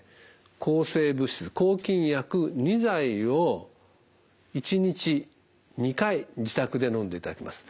抗生物質抗菌薬２剤を１日２回自宅でのんでいただきます。